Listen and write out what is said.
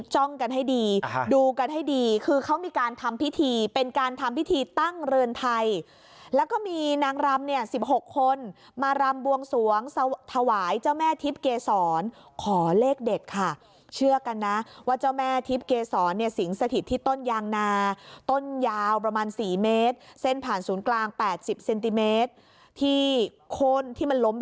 กันให้ดีดูกันให้ดีคือเขามีการทำพิธีเป็นการทำพิธีตั้งเรือนไทยแล้วก็มีนางรำเนี่ย๑๖คนมารำบวงสวงถวายเจ้าแม่ทิพย์เกษรขอเลขเด็ดค่ะเชื่อกันนะว่าเจ้าแม่ทิพย์เกษรเนี่ยสิงสถิตที่ต้นยางนาต้นยาวประมาณ๔เมตรเส้นผ่านศูนย์กลาง๘๐เซนติเมตรที่คนที่มันล้ม